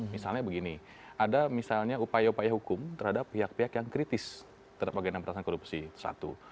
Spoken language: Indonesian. misalnya begini ada misalnya upaya upaya hukum terhadap pihak pihak yang kritis terhadap agenda pertahanan korupsi satu